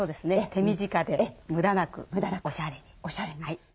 手短で無駄なくおしゃれに。